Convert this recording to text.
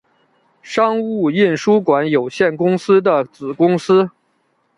商务印书馆有限公司的子公司。